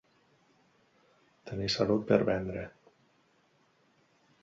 Tenir salut per vendre.